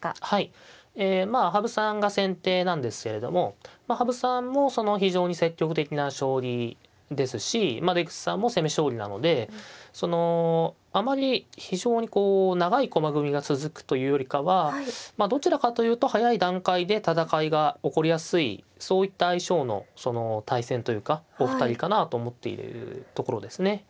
はいえまあ羽生さんが先手なんですけれども羽生さんも非常に積極的な将棋ですし出口さんも攻め将棋なのでそのあまり非常にこう長い駒組みが続くというよりかはどちらかというと早い段階で戦いが起こりやすいそういった相性のその対戦というかお二人かなと思っているところですね。